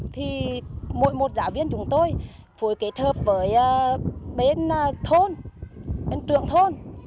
thì mỗi một giáo viên chúng tôi phối kết hợp với bên thôn bên trưởng thôn